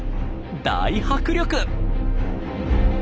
大迫力！